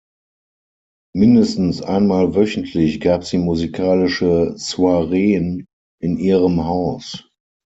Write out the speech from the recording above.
Mindestens einmal wöchentlich gab sie musikalische Soireen in ihrem Haus.